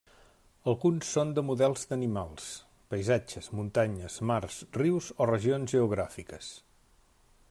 Alguns són de models d'animals, paisatges, muntanyes, mars, rius, o regions geogràfiques.